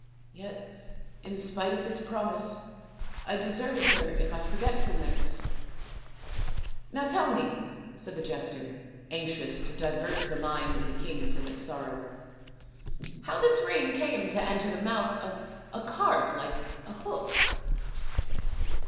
Yet, in spite of this promise, I deserted her in my forgetfulness." " Now tell me," said the jester, anxious to divert the mind of the king from its sorrow, " how this ring came to enter the mouth of a carp like a hook